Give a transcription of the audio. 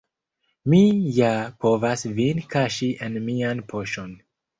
Mi ja povas vin kaŝi en mian poŝon!